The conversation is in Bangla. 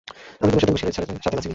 আমি কোনো শ্বেতাঙ্গ ছেলের সাথে নাচিনি।